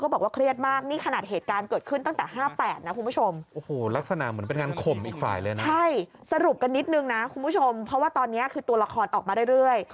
เพราะว่าตอนนี้คือตัวละครออกมาเรื่อย